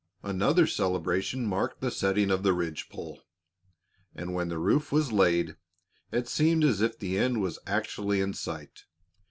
Another celebration marked the setting of the ridge pole; and when the roof was laid, it seemed as if the end was actually in sight.